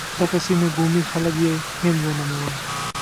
دغې سیمې بومي خلک یې هند ونومول.